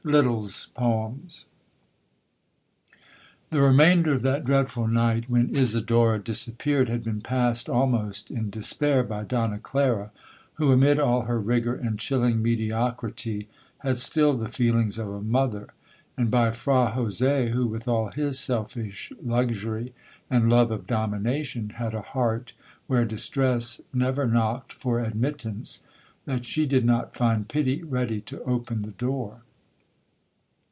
LITTLE'S POEMS 'The remainder of that dreadful night when Isidora disappeared, had been passed almost in despair by Donna Clara, who, amid all her rigour and chilling mediocrity, had still the feelings of a mother—and by Fra Jose, who, with all his selfish luxury and love of domination, had a heart where distress never knocked for admittance, that she did not find pity ready to open the door.